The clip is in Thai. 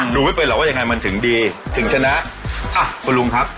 รู้ไม่เป็นหรอกว่ายังไงมันถึงดีถึงชนะอ่ะคุณลุงครับ